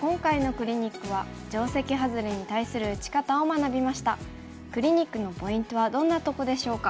クリニックのポイントはどんなとこでしょうか。